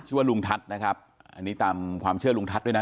ว่าลุงทัศน์นะครับอันนี้ตามความเชื่อลุงทัศน์ด้วยนะ